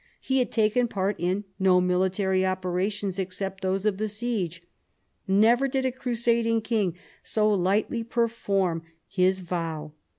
He had taken part in no military operations except those of the sieg g. Ne ver did a crusading king so lightly perform his vow.